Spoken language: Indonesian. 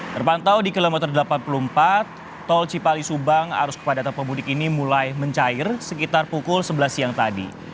terpantau di kilometer delapan puluh empat tol cipali subang arus kepadatan pemudik ini mulai mencair sekitar pukul sebelas siang tadi